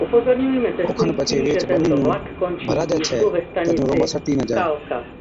او کن ڇي ويهچ ٻنِي نُون ڀراجَي ڇَي تہ جُون رونبا سَڙتِي نہ جا۔